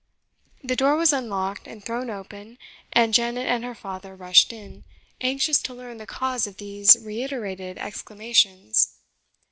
The door was unlocked and thrown open, and Janet and her father rushed in, anxious to learn the cause of these reiterated exclamations.